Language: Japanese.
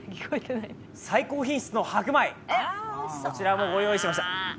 最高品質の白米こちらもご用意しました。